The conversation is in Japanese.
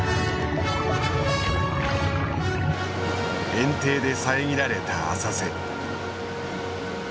えん堤で遮られた浅瀬。